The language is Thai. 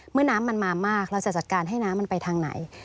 เราจะจัดการให้น้ำมันไปทางไหน